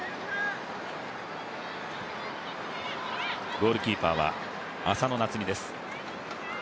ゴールキーパーは浅野菜摘です。